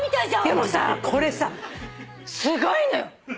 でもさこれさすごいのよ！